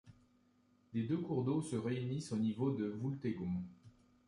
Les deux cours d'eau se réunissent au niveau de Voultegon.